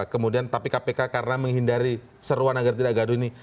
kemudian tapi kpk karena menghindari seruan agar tidak gaduh ini